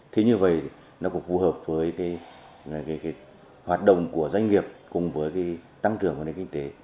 thế như vậy nó cũng phù hợp với hoạt động của doanh nghiệp cùng với tăng trưởng của kinh tế